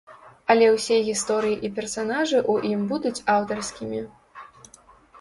Але ўсе гісторыі і персанажы ў ім будуць аўтарскімі.